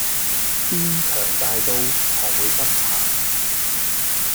變強大到學會不怕